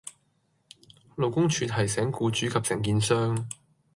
勞工處提醒僱主及承建商